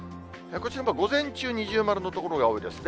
こちらも午前中、二重丸の所が多いですね。